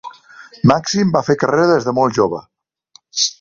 Màxim va fer carrera des de molt jove.